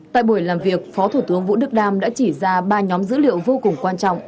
tại buổi làm việc phó thủ tướng vũ đức đam đã chỉ ra ba nhóm dữ liệu vô cùng quan trọng